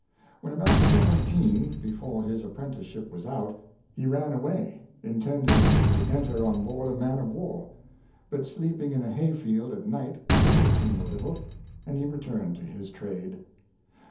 When about seventeen, before his apprentice Smuggling" A dventure, 237 ship was out, he ran away, intending to enter on board a man of war; but, sleeping in a hay field at night cooled him a little, and he returned to his trade.